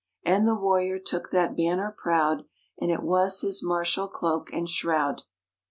_" _And the Warrior took that Banner proud, And it was his martial cloak and shroud.